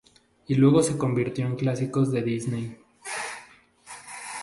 Y luego se convirtió en Clásicos de Disney.